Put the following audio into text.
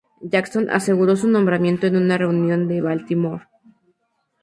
Jackson aseguró su nombramiento en una reunión en Baltimore.